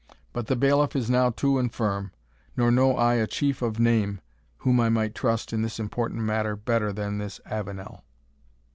But the bailiff is now too infirm, nor know I a chief of name whom I might trust in this important matter better than this Avenel."